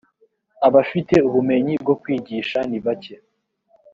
abafite ubumenyi bwo kwigisha ni bake